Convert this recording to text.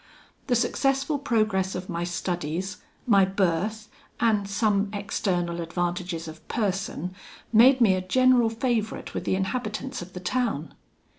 The successful progress of my studies, my birth, and some external advantages of person, made me a general favourite with the inhabitants of the town.